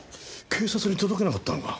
警察に届けなかったのか？